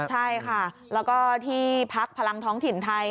ใช่ค่ะแล้วก็ที่พักพลังท้องถิ่นไทย